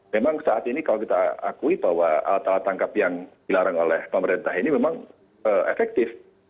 memang saat ini kalau kita akui bahwa alat alat tangkap yang dilarang oleh pemerintah ini memang efektif